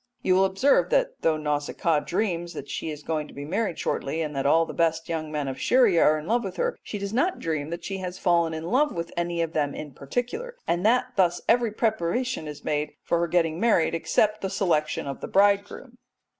'" You will observe that though Nausicaa dreams that she is going to be married shortly, and that all the best young men of Scheria are in love with her, she does not dream that she has fallen in love with any one of them in particular, and that thus every preparation is made for her getting married except the selection of the bridegroom.